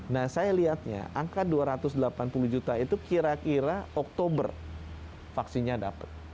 nah saya lihatnya angka dua ratus delapan puluh juta itu kira kira oktober vaksinnya dapat